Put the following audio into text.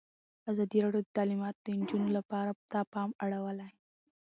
ازادي راډیو د تعلیمات د نجونو لپاره ته پام اړولی.